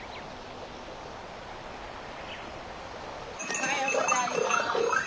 おはようございます。